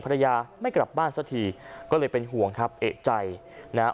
ภรรยาไม่กลับบ้านสักทีก็เลยเป็นห่วงครับเอกใจนะฮะ